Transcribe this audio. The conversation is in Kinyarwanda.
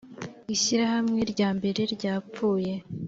ishyirahamwe ryambere ryapfuye